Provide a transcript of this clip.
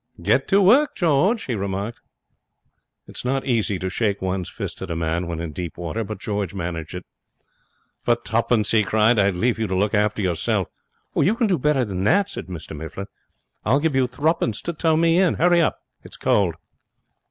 'Get to work, George,' he remarked. It is not easy to shake one's fist at a man when in deep water, but George managed it. 'For twopence,' he cried, 'I'd leave you to look after yourself.' 'You can do better than that,' said Mr Mifflin. 'I'll give you threepence to tow me in. Hurry up. It's cold.'